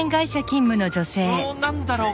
何だろう